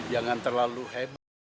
jangan terlalu hebat